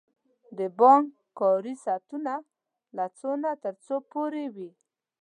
د بانک کاری ساعتونه له څو نه تر څو پوری وی؟